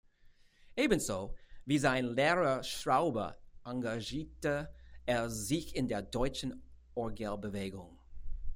Ebenso wie sein Lehrer Straube engagierte er sich in der deutschen Orgelbewegung.